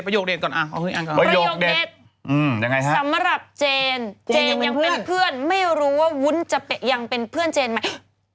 ก่อนประโยคเด็ดสำหรับเจนเจนยังเป็นเพื่อนไม่รู้ว่าวุ้นจะยังเป็นเพื่อนเจนไหม